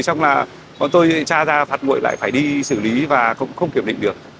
xong là bọn tôi tra ra phạt nguội lại phải đi xử lý và cũng không kiểm định được